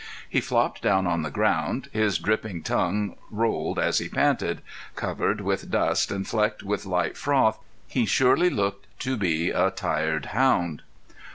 He flopped down on the ground; his dripping tongue rolled as he panted; covered with dust and flecked with light froth he surely looked to be a tired hound.